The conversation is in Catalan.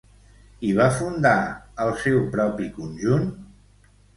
I va fundar el seu propi conjunt?